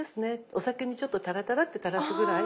お酒にちょっとたらたらっとたらすぐらい？